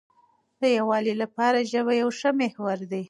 د یووالي لپاره ژبه یو ښه محور دی.